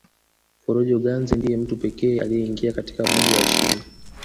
Forojo Ganze ndiye mtu pekee aliyeingia katika moja ya shimo